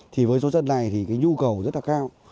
thì với số dân này thì cái nhu cầu rất là cao